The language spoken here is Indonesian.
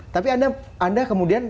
tapi anda kemudian